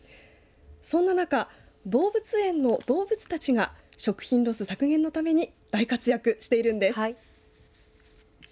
そんな中、動物園の動物たちが食品ロス削減のために大活躍しているんです。